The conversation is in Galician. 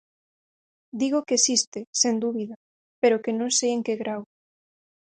Digo que existe, sen dúbida, pero que non sei en que grao.